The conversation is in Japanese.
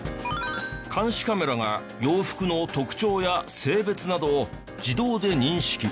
監視カメラが洋服の特徴や性別などを自動で認識。